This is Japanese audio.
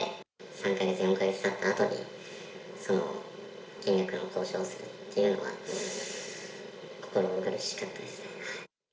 ３か月、４か月たったあとに金額の交渉をするっていうのは、心苦しかったですね。